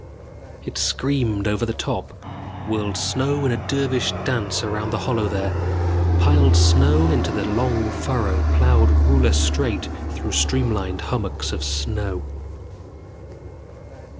It screamed over the top, whirled snow in a dervish dance around the hollow there, piled snow into the long furrow plowed ruler straight through streamlined hummocks of snow.